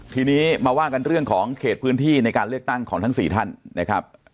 ทีนี้มาว่ากันเรื่องของเขตพื้นที่ในการเลือกตั้งของทั้ง๔ท่านนะครับ